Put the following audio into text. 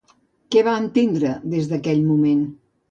Què va entendre des d'aquell moment?